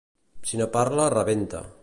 Si no parla, rebenta.